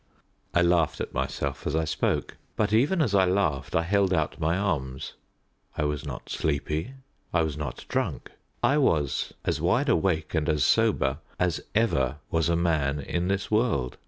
I laughed at myself as I spoke; but even as I laughed I held out my arms. I was not sleepy; I was not drunk. I was as wide awake and as sober as ever was a man in this world.